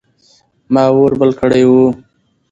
ما اور بل کړی و.